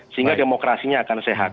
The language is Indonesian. sehingga demokrasinya akan sehat